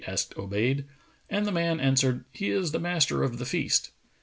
asked Obayd; and the man answered, "He is the master of the feast."